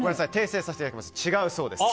訂正させていただきます。